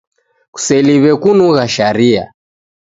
Kuseliwe kunugha sharia